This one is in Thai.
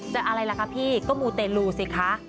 อะไรล่ะคะพี่ก็มูเตลูสิคะ